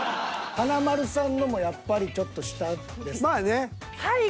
華丸さんのもやっぱりちょっと下ですね。